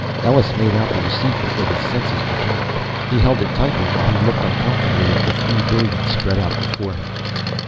Ellus had made out the receipt before his senses returned. He held it tightly while he looked uncomfortably at the three billion spread out before him.